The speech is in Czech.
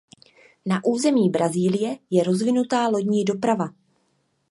Na území Brazílie je rozvinutá lodní doprava.